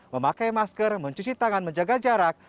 memakai masker mencuci tangan menjaga jarak